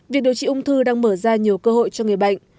việc điều trị ung thư đang mở ra nhiều cơ hội cho người bệnh